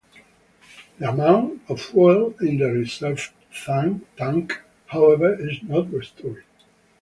The amount of fuel in the reserve tank, however, is not restored.